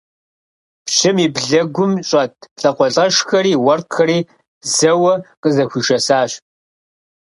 Пщым и блыгум щӀэт лӀакъуэлӀэшхэри уэркъхэри зэуэ къызэхуишэсащ.